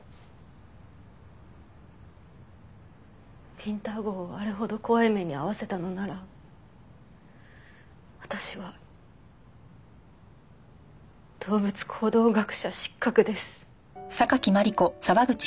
ウィンター号をあれほど怖い目に遭わせたのなら私は動物行動学者失格です。